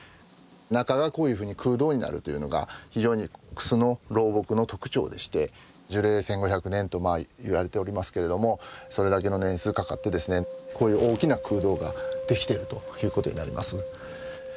中がこういうふうに空洞になるというのが非常にクスの老木の特徴でして樹齢１，５００年といわれておりますけれどもそれだけの年数かかってですねこういう大きな空洞ができてるということになります。